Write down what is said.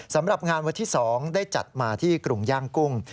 สำหรับงานวันที่๒ได้จัดมาที่กรุงย่างกุ้ง